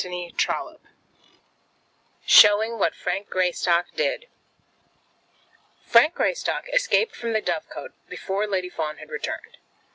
CHAPTER XIII Showing What Frank Greystock Did Frank Greystock escaped from the dovecote before Lady Fawn had returned.